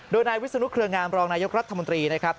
โดยนายวิศนุเครืองามรองนายกรัฐมนตรีนะครับ